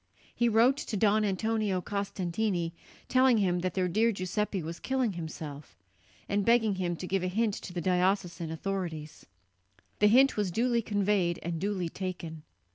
He wrote to Don Antonio Costantini telling him that their dear Giuseppe was killing himself, and begging him to give a hint to the diocesan authorities. The hint was duly conveyed and duly taken.